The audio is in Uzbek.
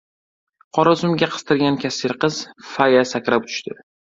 qora sumka qistirgan kassir qiz - Faya sakrab tushdi.